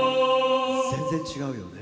全然違うよね。